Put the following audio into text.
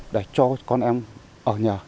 để cho con em ở nhà